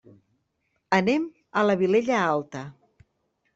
Anem a la Vilella Alta.